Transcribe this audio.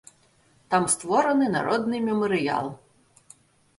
Там створаны народны мемарыял.